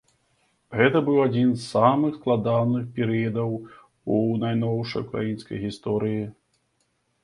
Гэта быў адзін з самых складаных перыядаў у найноўшай украінскай гісторыі.